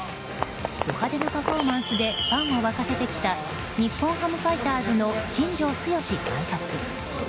ド派手なパフォーマンスでファンを沸かせてきた日本ハムファイターズの新庄剛志監督。